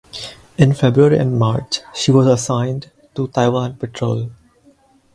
In February and March, she was assigned to Taiwan patrol.